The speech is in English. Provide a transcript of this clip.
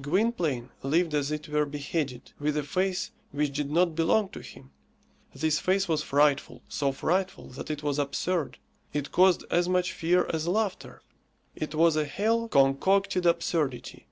Gwynplaine lived as it were beheaded, with a face which did not belong to him. This face was frightful, so frightful that it was absurd. It caused as much fear as laughter. It was a hell concocted absurdity.